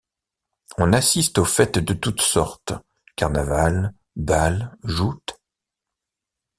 On assiste aux fêtes de toutes sortes, carnavals, bals, joutes.